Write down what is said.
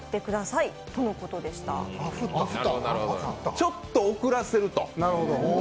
ちょっと遅らせると。